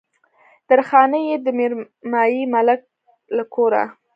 درخانۍ يې د ميرمايي ملک له کوره